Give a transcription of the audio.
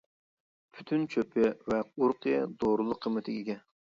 پۈتۈن چۆپى ۋە ئۇرۇقى دورىلىق قىممىتىگە ئىگە.